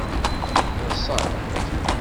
Ḍṣant.